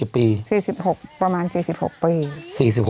๔ปี๔๖ประมาณ๔๖ปี